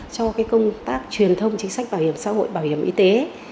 cho công tác truyền thông chính sách bảo hiểm xã hội bảo hiểm y tế